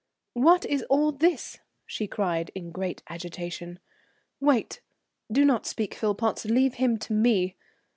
"What's all this?" she cried in great agitation. "Wait, do not speak, Philpotts, leave him to me....